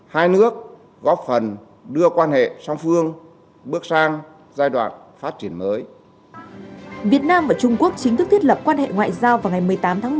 bảo hiểm passport và many other boundaries agricultural research of foreign além thànhir chính thức thiết lập quan hệ ngoại giao vào ngày một mươi tám tháng một một nghìn chín trăm năm mươi